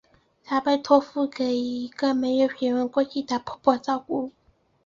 他被交托给一个没血缘关系的婆婆照顾。